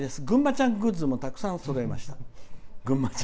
ぐんまちゃんグッズもたくさんそろえました。